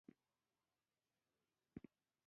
دا ټول هغه سانسکریت نومونه دي،